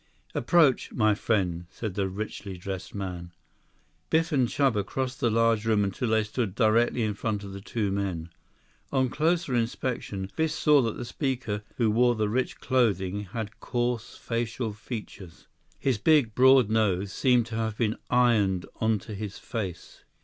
"Approach, my friends," said the richly dressed man. Biff and Chuba crossed the large room until they stood directly in front of the two men. On closer inspection, Biff saw that the speaker who wore the rich clothing had coarse facial features. His big, broad nose seemed to have been ironed onto his face.